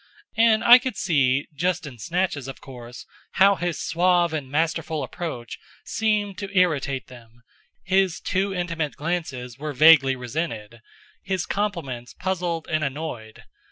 And I could see, just in snatches, of course, how his suave and masterful approach seemed to irritate them; his too intimate glances were vaguely resented, his compliments puzzled and annoyed.